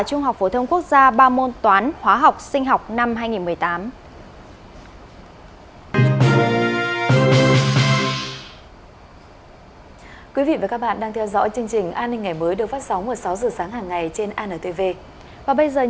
trung học phổ thông quốc gia ba môn toán